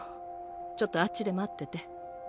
ちょっとあっちで待ってて